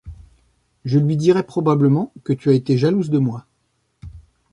Je lui dirai probablement que tu as été jalouse de moi.